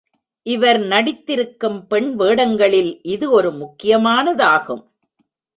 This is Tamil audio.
இவர் நடித்திருக்கும் பெண் வேடங்களில் இது ஒரு முக்கியமானதாகும்.